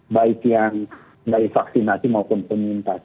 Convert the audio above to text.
baik yang dari vaksinasi maupun penyintas